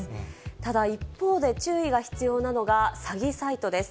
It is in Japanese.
ただ、一方で、注意が必要なのが、詐欺サイトです。